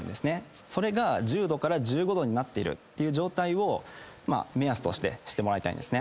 それが１０度から１５度になっているっていう状態を目安としてもらいたいんですね。